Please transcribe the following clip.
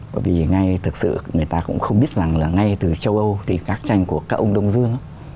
bởi vì ngay thực sự người ta cũng không biết rằng là ngay từ châu âu thì các tranh của các ông đông dương